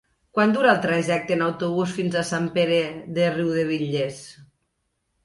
Quant dura el trajecte en autobús fins a Sant Pere de Riudebitlles?